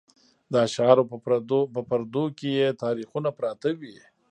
د اشعارو په پردو کې یې تاریخونه پراته وي.